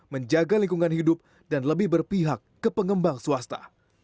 menjaga lingkungan hidup dan lebih berpihak ke pengembang swasta